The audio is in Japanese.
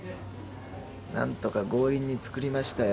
なんとか強引に作りましたよ。